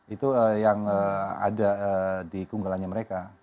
itu yang ada di keunggalannya mereka